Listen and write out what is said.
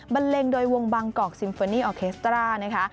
เล็งโดยวงบางกอกซิมเฟอร์นี่ออเคสตรานะคะ